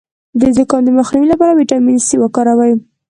د زکام د مخنیوي لپاره ویټامین سي وکاروئ